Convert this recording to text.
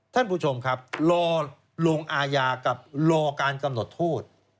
ท่านผู้ชมครับรอลงอาญากับรอการกำหนดโทษ